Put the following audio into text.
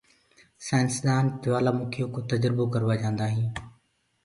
سآئينسدآن جوآلآ مِکيو ڪو تجربو ڪورآ جآندآ هينٚ